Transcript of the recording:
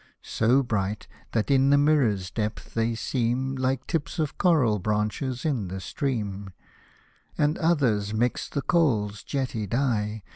So bright, that in the mirror's depth they seem Like tips of coral branches in the stream : And others mix the Kohol's jetty dye.